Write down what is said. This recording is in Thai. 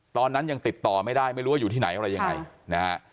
ตอนนั้นยังติดต่อไม่ได้ไม่รู้ว่าอยู่ที่ไหนอะไรยังไงนะฮะ